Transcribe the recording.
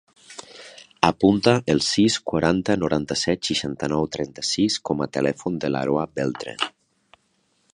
Apunta el sis, quaranta, noranta-set, seixanta-nou, trenta-sis com a telèfon de l'Aroa Beltre.